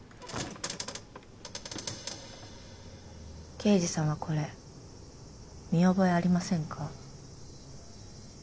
刑事さんはこれ見覚えありませんか？